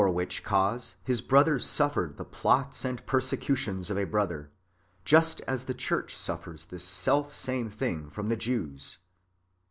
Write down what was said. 453 which cause his brother suffered the plots and persecutions of a brother, just as tlie church suffers this self same thing from the Jews.